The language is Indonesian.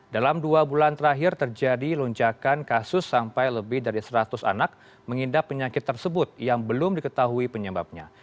dalam dua bulan terakhir terjadi lonjakan kasus sampai lebih dari seratus anak mengidap penyakit tersebut yang belum diketahui penyebabnya